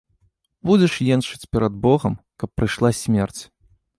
Будзеш енчыць перад богам, каб прыйшла смерць.